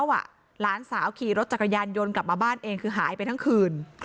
หลานสาวขี่รถจักรยานยนต์กลับมาบ้านเองคือหายไปทั้งคืน